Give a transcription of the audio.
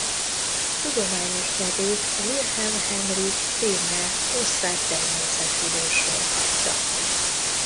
Tudományos nevét Wilhelm Heinrich Kramer osztrák természettudósról kapta.